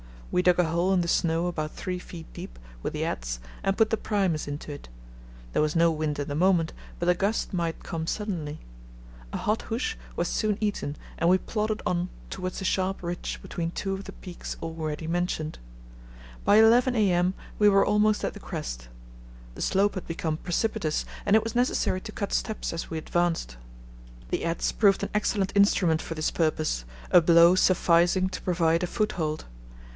We dug a hole in the snow about three feet deep with the adze and put the Primus into it. There was no wind at the moment, but a gust might come suddenly. A hot hoosh was soon eaten and we plodded on towards a sharp ridge between two of the peaks already mentioned. By 11 a.m. we were almost at the crest. The slope had become precipitous and it was necessary to cut steps as we advanced. The adze proved an excellent instrument for this purpose, a blow sufficing to provide a foothold.